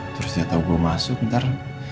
terus dia tau gua masuk ntar